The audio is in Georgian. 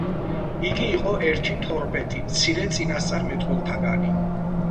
იგი იყო ერთი თორმეტი მცირე წინასწარმეტყველთაგანი.